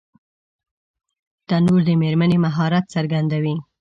تنور د مېرمنې مهارت څرګندوي